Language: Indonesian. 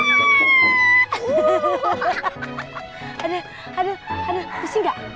ada ada ada pusing gak